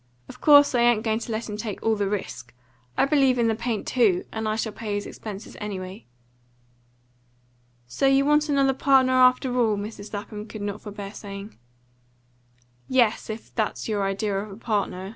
Of course I ain't going to let him take all the risk. I believe in the paint TOO, and I shall pay his expenses anyway." "So you want another partner after all?" Mrs. Lapham could not forbear saying. "Yes, if that's your idea of a partner.